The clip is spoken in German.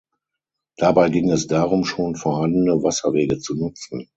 Dabei ging es darum schon vorhandene Wasserwege zu nutzen.